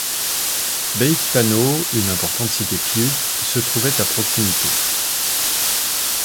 Beikthano, une importante cité Pyu, se trouvait à proximité.